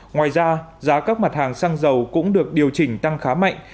ngoài ra giá các mặt hàng xăng dầu cũng được điều chỉnh tăng khá mạnh